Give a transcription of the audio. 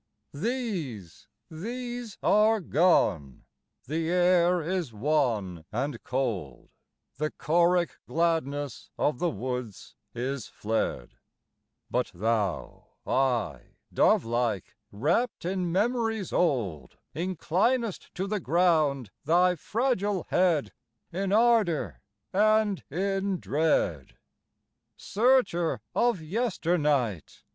These, these are gone. The air is wan and cold, The choric gladness of the woods is fled: But thou, aye dove like, rapt in memories old, Inclinest to the ground thy fragile head, In ardor and in dread. Searcher of yesternight!